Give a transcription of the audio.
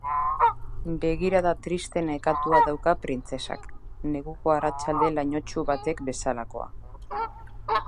Begirada triste nekatua dauka printzesak, neguko arratsalde lainotsu batek bezalakoa.